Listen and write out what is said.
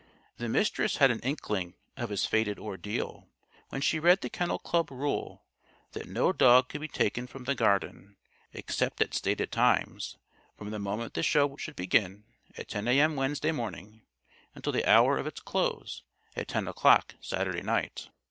The Mistress had an inkling of his fated ordeal when she read the Kennel Club rule that no dog could be taken from the Garden, except at stated times, from the moment the show should begin, at ten A.M. Wednesday morning, until the hour of its close, at ten o'clock Saturday night.